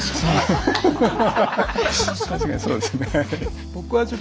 確かにそうですねはい。